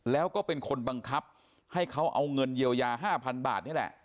แล้วก็เป็นคนบังคับให้เขาเอาเงินเยียวยา๕๐๐๐บาทนี่แหละ